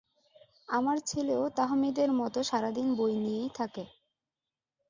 আমার ছেলেও তাহমিদের মতো সারাদিন বই নিয়েই থাকে।